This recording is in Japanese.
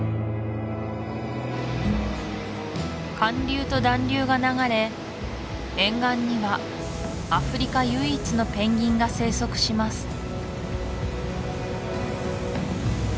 寒流と暖流が流れ沿岸にはアフリカ唯一のペンギンが生息します